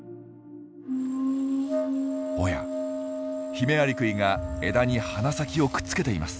おやヒメアリクイが枝に鼻先をくっつけています。